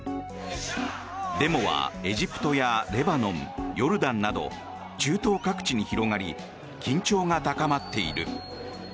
デモはエジプトやレバノンヨルダンなど中東各地に広がり緊張が高まっている。